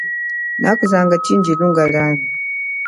Nakuzanga chindji lunga liami.